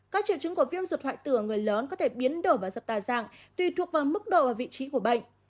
các triệu chứng của viêm ruột hoại tử ở người lớn có thể biến đổi và giật tà giang tùy thuộc vào mức độ và vị trí của bệnh